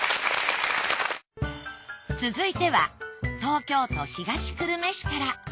続いては東京都東久留米市から。